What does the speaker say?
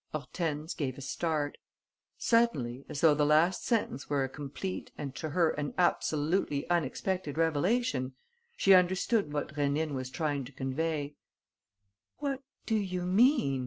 Hortense gave a start. Suddenly, as though the last sentence were a complete and to her an absolutely unexpected revelation, she understood what Rénine was trying to convey: "What do you mean?"